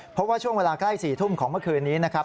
เพราะว่าช่วงเวลาใกล้๔ทุ่มของเมื่อคืนนี้นะครับ